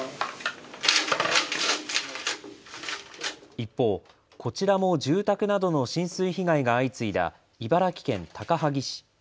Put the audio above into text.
一方、こちらも住宅などの浸水被害が相次いだ茨城県高萩市。